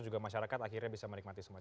juga masyarakat akhirnya bisa menikmati semua